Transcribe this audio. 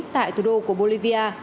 tại thủ đô của bolivia